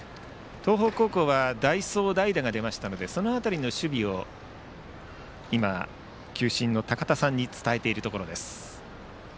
東邦高校は代走、代打が出ましたのでその辺りの守備を今、球審の高田さんに伝えているところです。